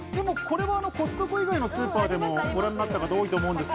コストコ以外のスーパーでもご覧になった方が多いと思います。